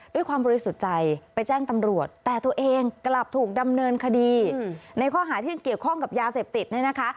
ด้วยความบริสุทธิ์ใจไปแจ้งตำรวจแต่ตัวเองกลับถูกดำเนินคดีในข้อหาที่เกี่ยวข้องกับยาเสพติดเนี่ยนะคะ